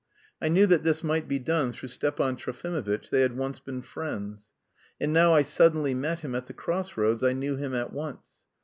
I knew that this might be done through Stepan Trofimovitch, they had once been friends. And now I suddenly met him at the cross roads. I knew him at once.